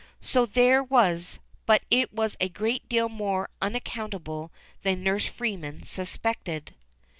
So there was, but it was a great deal more unaccountable than Nurse Freeman suspected.